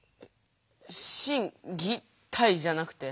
「心」「技」「体」じゃなくて？